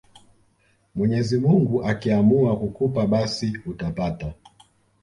Mwenyezi mungu akiamua kukupa basi utapata